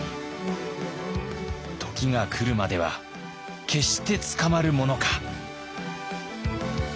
時が来るまでは決して捕まるものか。